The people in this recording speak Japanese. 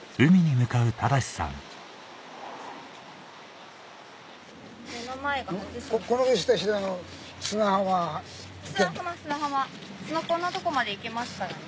向こうのとこまで行けますからね